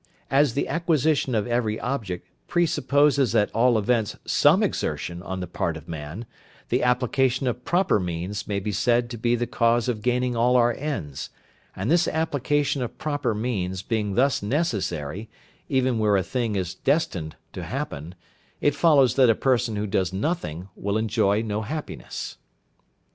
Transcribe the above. As the acquisition of every object pre supposes at all events some exertion on the part of man, the application of proper means may be said to be the cause of gaining all our ends, and this application of proper means being thus necessary (even where a thing is destined to happen), it follows that a person who does nothing will enjoy no happiness.